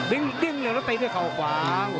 ดึงดึงแล้วตีดไว้ข้าวขวาง